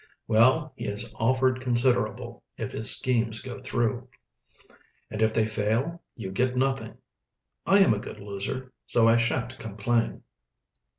"Well, he has offered considerable, if his schemes go through." "And if they fail you get nothing." "I am a good loser so I shan't complain."